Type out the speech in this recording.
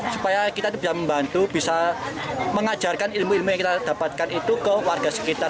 supaya kita bisa membantu bisa mengajarkan ilmu ilmu yang kita dapatkan itu ke warga sekitar